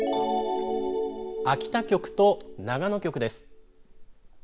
秋田局と長野局です。